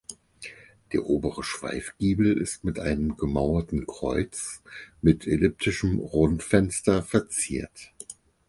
Der obere Schweifgiebel ist mit einem gemauerten Kreuz mit elliptischem Rundfenster verziert.